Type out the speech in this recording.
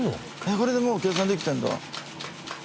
これでもう計算できてるんだ。